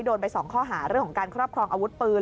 โดนไป๒ข้อหาเรื่องของการครอบครองอาวุธปืน